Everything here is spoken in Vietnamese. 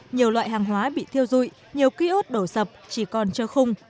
nhiều loại hàng hóa bị thiêu dụi nhiều kiốt đổ sập chỉ còn trơ khung